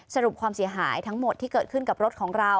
สรุปความเสียหายทั้งหมดที่เกิดขึ้นกับรถของเรา